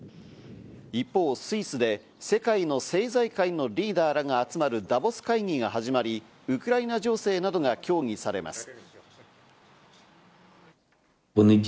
一方、スイスで世界の政財界のリーダーらが集まるダボス会議が始まり、ウクライナ情勢などが協議されます。